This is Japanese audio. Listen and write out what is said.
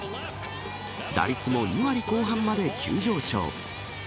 打率も２割後半まで急上昇。